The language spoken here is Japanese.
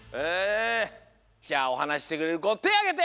じゃあおはなししてくれるこてあげて！